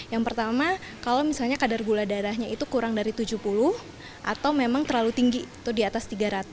yang pertama kalau misalnya kadar gula darahnya itu kurang dari tujuh puluh atau memang terlalu tinggi itu di atas tiga ratus